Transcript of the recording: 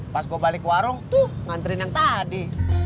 pas gue balik warung tuh nganterin yang tadi